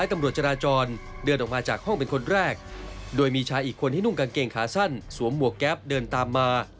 เมื่อกลุ่มกางเกงขาสั้นสวมหมวกแก๊ปเดินตามมา